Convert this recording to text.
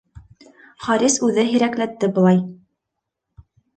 Харис үҙе һирәкләтте былай.